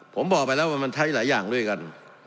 ผมบอกไปแล้วว่ามันใช้หลายอย่างด้วยกัน